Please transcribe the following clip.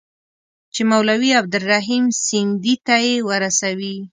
چي مولوي عبدالرحیم سندي ته یې ورسوي.